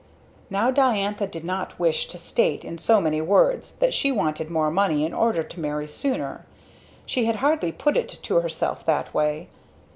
Now Diantha did not wish to state in so many words that she wanted more money in order to marry sooner she had hardly put it to herself that way.